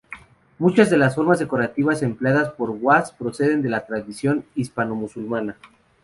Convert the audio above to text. Muchas de las fórmulas decorativas empleadas por Guas proceden de la tradición hispano-musulmana.